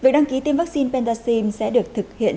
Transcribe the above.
thì tiêm vaccine pentaxim sẽ được thực hiện